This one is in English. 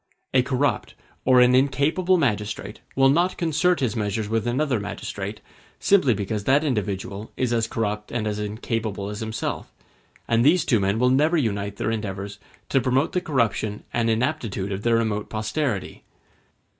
A corrupt or an incapable magistrate will not concert his measures with another magistrate, simply because that individual is as corrupt and as incapable as himself; and these two men will never unite their endeavors to promote the corruption and inaptitude of their remote posterity.